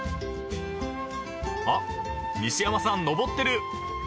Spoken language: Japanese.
［あっ西山さん上ってる！］